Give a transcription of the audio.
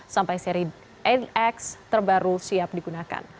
sampai seri enam x terbaru siap digunakan